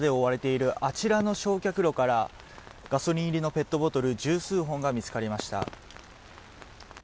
現在、板で覆われているあちらの焼却炉からガソリン入りのペットボトル十数本が見つかりました。